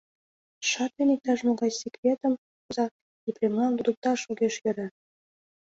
Шадрин иктаж-могай секретым воза, Епремлан лудыкташ огеш йӧрӧ.